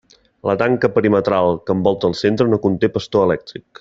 La tanca perimetral que envolta el centre no conté pastor elèctric.